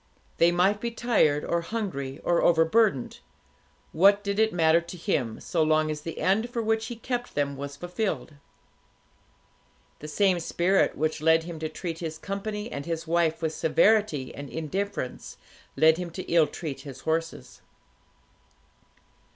They might be tired, or hungry, or overburdened; what did it matter to him, so long as the end for which he kept them was fulfilled? The same spirit which led him to treat his company and his wife with severity and indifference, led him to ill treat his horses.